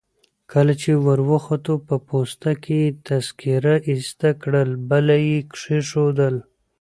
کله چي وروختو په پوسته کي يې تذکیره ایسته کړل، بله يي کښېښول.